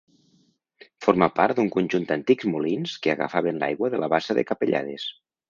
Forma part d'un conjunt d'antics molins que agafaven l'aigua de la bassa de Capellades.